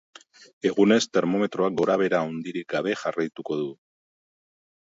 Egunez termometroak gorabehera handirik gabe jarraituko du.